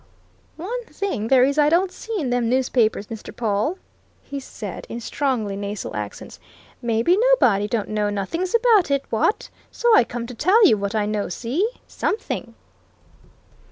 "One thing there is I don't see in them newspapers, Mr. Pawle," he said in strongly nasal accents. "Maybe nobody don't know nothings about it, what? So I come to tell you what I know, see? Something!"